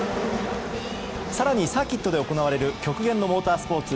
更にサーキットで行われる極限のモータースポーツ